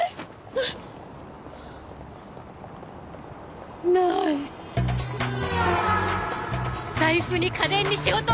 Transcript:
ないない財布に家電に仕事！